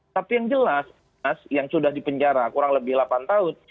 tapi yang jelas anas yang sudah di penjara kurang lebih delapan tahun